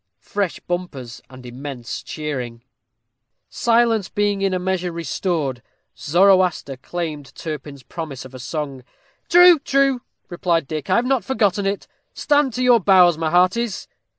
Fresh bumpers and immense cheering. Silence being in a measure restored, Zoroaster claimed Turpin's promise of a song. "True, true," replied Dick; "I have not forgotten it. Stand to your bows, my hearties."